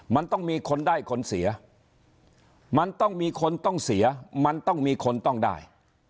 มันต้องมีคนได้คนเสียมันต้องมีคนต้องเสียมันต้องมีคนต้องได้